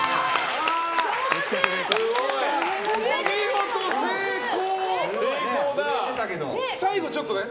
お見事、成功！